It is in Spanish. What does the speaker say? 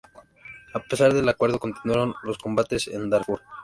A pesar del acuerdo, continuaron los combates en Darfur.